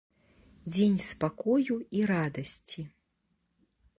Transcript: Дзень спакою і радасці.